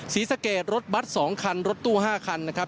ศรีสะเกดรถบัตร๒คันรถตู้๕คันนะครับ